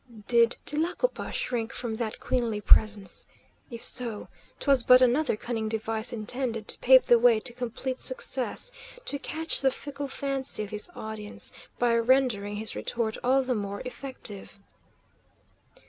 Did Tlacopa shrink from that queenly presence? If so, 'twas but another cunning device intended to pave the way to complete success; to catch the fickle fancy of his audience by rendering his retort all the more effective.